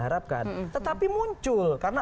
harapkan tetapi muncul karena